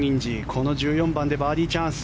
この１４番でバーディーチャンス。